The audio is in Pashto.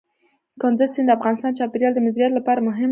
کندز سیند د افغانستان د چاپیریال د مدیریت لپاره مهم دی.